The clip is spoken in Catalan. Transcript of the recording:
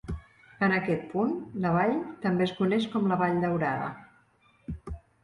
En aquest punt, la vall també es coneix com la Vall Daurada.